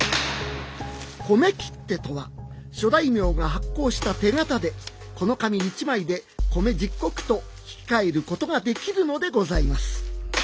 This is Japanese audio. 米切手とは諸大名が発行した手形でこの紙一枚で米十石と引き換えることができるのでございます。